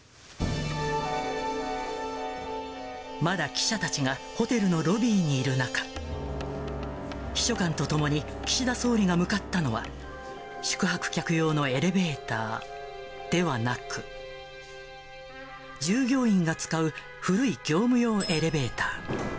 まだ記者たちがホテルのロビーにいる中、秘書官と共に岸田総理が向かったのは、宿泊客用のエレベーターではなく、従業員が使う古い業務用エレベーター。